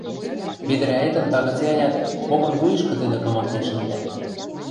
Ведӹрӓэтӹм тагыце-ӓнят попын вуйышкы тӹдӹ кымыктен шӹндӓ.